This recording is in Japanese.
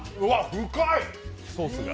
深い！